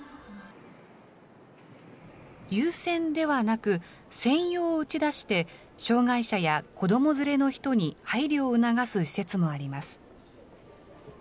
優先ではなく、専用を打ち出して障害者や子ども連れの人に配慮を促す施設もあります。